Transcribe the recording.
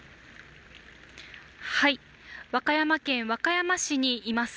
和歌山県和歌山市にいます。